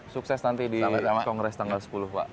sukses nanti di kongres tanggal sepuluh pak